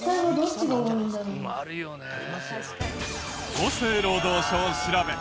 厚生労働省調べ。